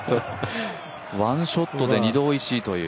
ワンショットで二度おいしいという。